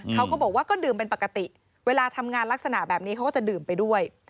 เขาก็บอกว่าก็ดื่มเป็นปกติเวลาทำงานลักษณะแบบนี้เขาก็จะดื่มไปด้วย